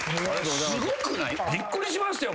すごくない？びっくりしましたよ